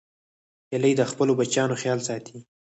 هیلۍ د خپلو بچیانو خیال ساتي